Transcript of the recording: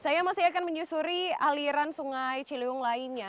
saya masih akan menyusuri aliran sungai ciliwung lainnya